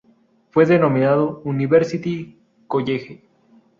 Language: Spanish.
Fue denominado "University College".